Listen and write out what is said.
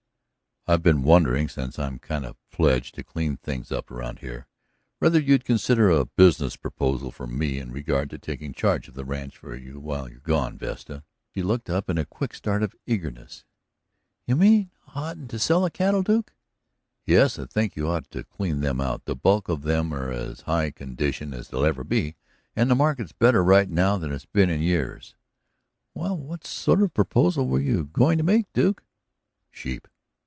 "I've been wondering, since I'm kind of pledged to clean things up here, whether you'd consider a business proposal from me in regard to taking charge of the ranch for you while you're gone, Vesta." She looked up with a quick start of eagerness. "You mean I oughtn't sell the cattle, Duke?" "Yes, I think you ought to clean them out. The bulk of them are in as high condition as they'll ever be, and the market's better right now that it's been in years." "Well, what sort of a proposal were you going to make, Duke?" "Sheep."